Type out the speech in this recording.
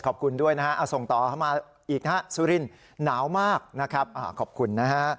ขอบคุณด้วยส่งต่อมาอีกซุรินหนาวมากขอบคุณ